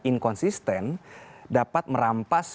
inkonsisten dapat merampas